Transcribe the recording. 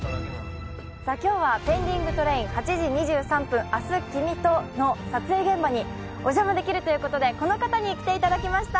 今日は「ペンディングトレイン−８時２３分、明日君と」の撮影現場にお邪魔できるということでこの方に来ていただきました